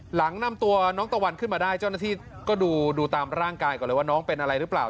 หลังนำตัวน้องตะวันขึ้นมาได้เจ้าหน้าที่ก็ดูตามร่างกายก่อนเลยว่าน้องเป็นอะไรหรือเปล่า